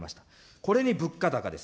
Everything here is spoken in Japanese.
これに物価高です。